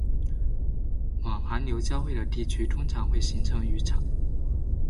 寒暖流交汇的地区通常会形成渔场